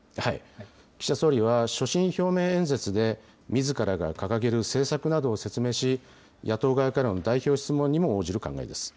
岸田総理は所信表明演説でみずからが掲げる政策などを説明し、野党側からの代表質問にも応じる考えです。